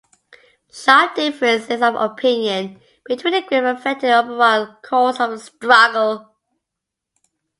Sharp differences of opinion between the group affected the overall course of the struggle.